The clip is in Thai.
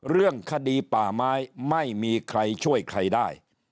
เรื่องคดีป่าไม้ไม่มีใครช่วยใครได้